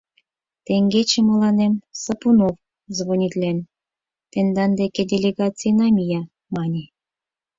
Теҥгече мыланем Сапунов звонитлен, тендан деке делегацийна мия, мане.